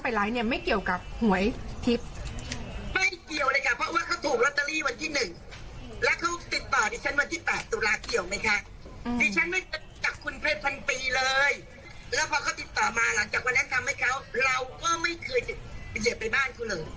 ไปเหยื่อไปบ้านเค้าเลย